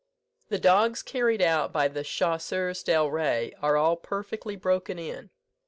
"The dogs carried out by the Chasseurs del Rey are all perfectly broken in.